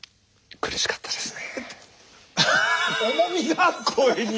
「苦しかったですね」。